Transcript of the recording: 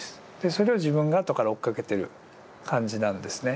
それを自分が後から追っかけてる感じなんですね。